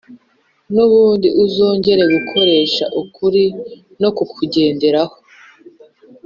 n’ubundi uzongera Gukoresha ukuri no kukugenderaho